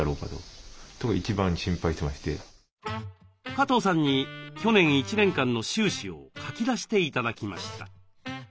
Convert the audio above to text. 加藤さんに去年１年間の収支を書き出して頂きました。